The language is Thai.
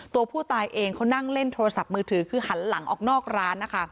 ตัวผู้ตายเองเขานั่งเล่นโทรศัพท์มือถือคือหันหลังออกนอกร้านนะคะ